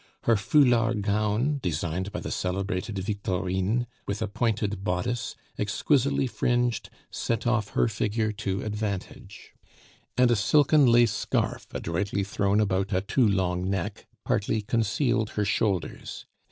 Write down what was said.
Her foulard gown, designed by the celebrated Victorine, with a pointed bodice, exquisitely fringed, set off her figure to advantage; and a silken lace scarf, adroitly thrown about a too long neck, partly concealed her shoulders.